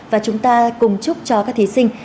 và chúng ta cùng chúc cho các thí sinh